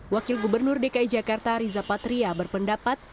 wakil gubernur dki jakarta riza patria berpendapat